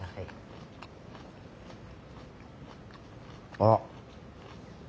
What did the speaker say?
あっ。